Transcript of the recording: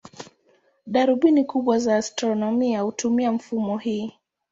Darubini kubwa za astronomia hutumia mfumo huo.